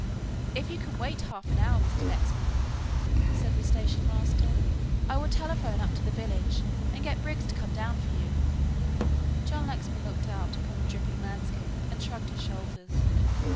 "If you can wait half an hour, Mr. Lexman," said the station master, "I will telephone up to the village and get Briggs to come down for you." John Lexman looked out upon the dripping landscape and shrugged his shoulders.